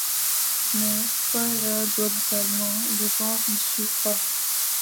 Mais, paradoxalement, les ventes ne suivent pas.